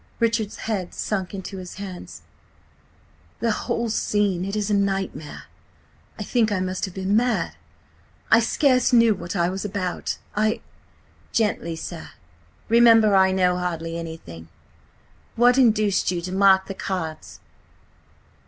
Richard's head sunk into his hands. "The whole scene is a nightmare. ... I think I must have been mad. .. I scarce knew what I was about. I—" "Gently, sir. Remember I know hardly anything. What induced you to mark the cards?"